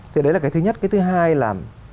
thì đấy là cái thứ nhất cái thứ hai là